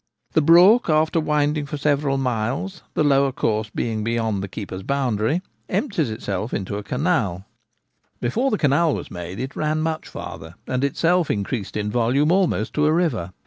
The brook, after winding for several miles, the lower course being beyond the keeper's boun daries, empties itself into a canal ; before the canal was made it ran much further, and itself increased in volume almost to a river.